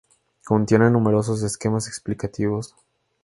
Contiene numerosos esquemas explicativos.